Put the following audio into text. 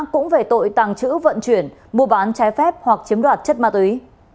cũng về tội tàng trữ vận chuyển mua bán trái phép hoặc chiếm đoạt chất ma túy